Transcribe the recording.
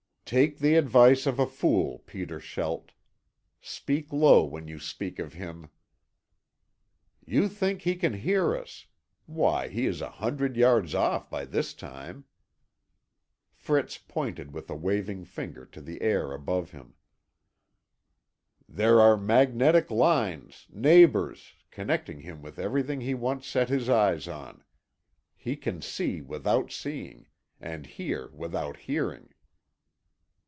"Take the advice of a fool, Peter Schelt. Speak low when you speak of him." "You think he can hear us. Why, he is a hundred yards off by this time!" Fritz pointed with a waving finger to the air above him. "There are magnetic lines, neighbours, connecting him with everything he once sets eyes on. He can see without seeing, and hear without hearing."